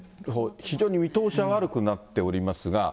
非常に見通しが悪くなっておりますが。